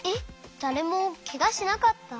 だれもケガしなかった？